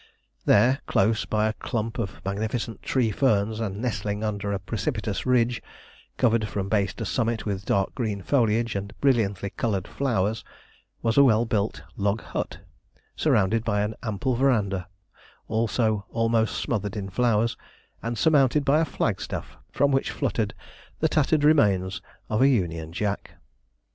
There, close by a clump of magnificent tree ferns, and nestling under a precipitous ridge, covered from base to summit with dark green foliage and brilliantly coloured flowers, was a well built log hut surrounded by an ample verandah, also almost smothered in flowers, and surmounted by a flagstaff from which fluttered the tattered remains of a Union Jack.